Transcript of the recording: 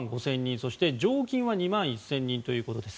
そして常勤は２万１０００人ということです。